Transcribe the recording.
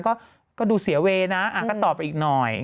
ก็ดูเสียเวย์นะก็ตอบไปอีกหน่อย